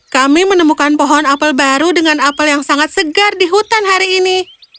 kami menemukan pohon apel baru dengan apel yang sangat segar di hutan hari ini